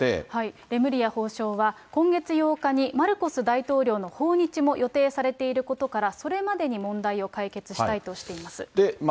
レムリヤ法相は、今月８日にマルコス大統領の訪日も予定されていることから、それまでに問題を解決したいとしています。